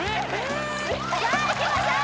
さあいきましょう